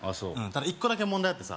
１個だけ問題あってさ